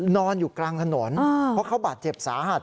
นอนอยู่กลางถนนเพราะเขาบาดเจ็บสาหัส